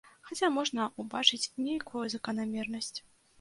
Хаця можна ўбачыць нейкую заканамернасць.